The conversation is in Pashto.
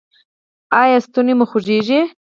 ایا ستونی مو خوږیږي؟